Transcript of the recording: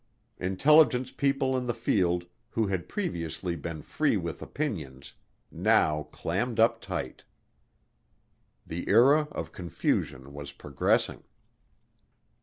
Intelligence people in the field who had previously been free with opinions now clammed up tight. The era of confusion was progressing.